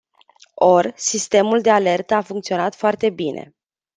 Or, sistemul de alertă a funcționat foarte bine.